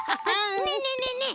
ねえねえねえねえ！